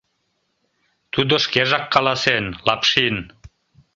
Тудо шкежак каласен: Лапшин.